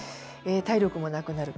体力もなくなる。